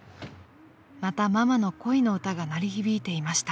［またママの恋の歌が鳴り響いていました］